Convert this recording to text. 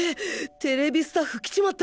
ＴＶスタッフ来ちまった！